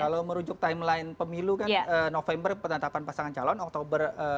kalau merujuk timeline pemilu kan november penetapan pasangan calon oktober